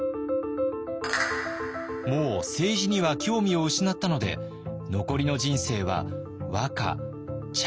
もう政治には興味を失ったので残りの人生は和歌茶